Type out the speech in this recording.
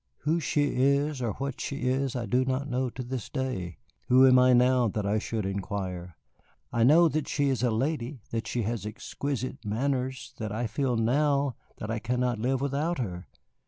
Who she is or what she is I do not know to this day. Who am I now that I should inquire? I know that she is a lady, that she has exquisite manners, that I feel now that I cannot live without her.